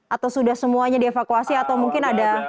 atau sudah semuanya dievakuasi atau mungkin ada